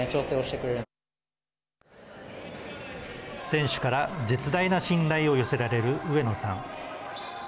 選手から絶大な信頼を寄せられる上野さん。